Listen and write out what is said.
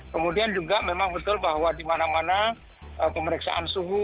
kemudian juga memang betul bahwa di mana mana pemeriksaan suhu